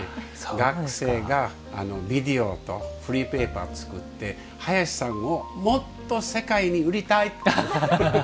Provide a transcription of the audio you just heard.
学生がビデオとフリーペーパー作って林さんをもっと世界に売りたいって。